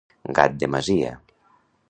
Gat de masia.